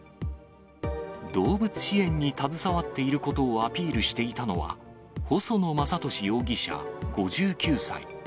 動物支援に携わっていることをアピールしていたのは、細野雅俊容疑者５９歳。